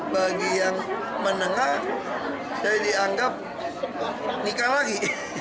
bagi yang menengah saya dianggap nikah lagi